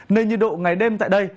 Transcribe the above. nền nhiệt độ ngày đêm tại đây